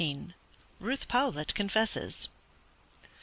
RUTH POWLETT CONFESSES.